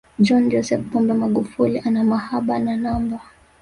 John Joseph Pombe Magufuli ana mahaba na namba